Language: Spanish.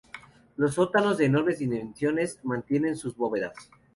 Los sótanos, de enormes dimensiones, mantienen sus bóvedas.